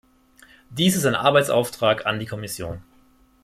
Dies ist ein Arbeitsauftrag an die Kommission.